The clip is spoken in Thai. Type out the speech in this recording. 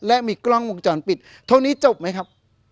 และมีกล้องวงจรปิดเท่านี้จบไหมครับ